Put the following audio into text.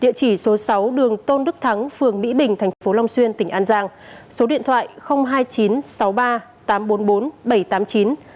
địa chỉ số sáu đường tôn đức thắng phường mỹ bình tp long xuyên tỉnh an giang số điện thoại hai nghìn chín trăm sáu mươi ba tám trăm bốn mươi bốn bảy trăm tám mươi chín